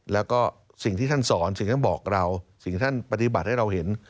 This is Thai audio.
แล้วก็สิ่งที่ท่านสอนสิ่งที่ท่านบอกเราสิ่งท่านปฏิบัติให้เราเห็น